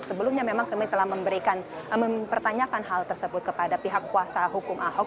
sebelumnya memang kami telah memberikan mempertanyakan hal tersebut kepada pihak kuasa hukum ahok